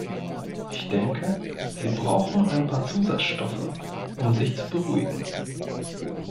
Ich denke, sie brauchen ein paar Zusatzstoffe, um sich zu beruhigen.